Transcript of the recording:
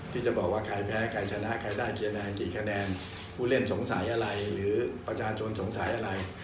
ที่จะบอกว่าใครแพ้ใครชนะใครได้คะแนนกี่คะแนนผู้เล่นสงสัยอะไรหรือประชาชนสงสัยอะไร